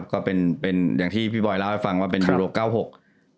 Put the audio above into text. ก็เป็นอย่างที่พี่บอยเล่าให้ฟังว่าเป็นยูโรค๙๖